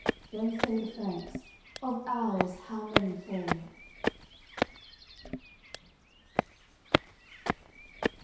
Then say the Franks: "Of ours how many fall."